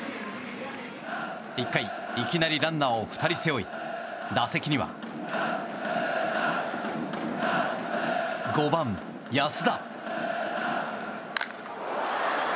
１回、いきなりランナーを２人背負い打席には５番、安田。